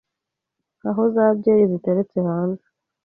aho za byeri ziteretse hanze